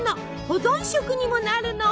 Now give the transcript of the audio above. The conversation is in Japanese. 保存食にもなるの。